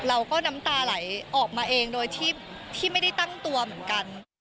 น้ำตาไหลออกมาเองโดยที่ไม่ได้ตั้งตัวเหมือนกัน